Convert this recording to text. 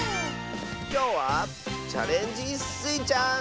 きょうは「チャレンジスイちゃん」！